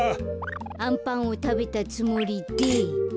あんパンをたべたつもりで。